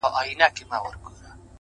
• چي شېردل يې کړ د دار تمبې ته پورته,